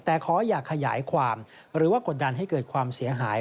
แต่ขออย่าขยายความหรือว่ากดดันให้เกิดความเสียหาย